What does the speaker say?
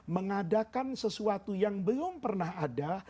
mengadakan sesuatu yang belum pernah ada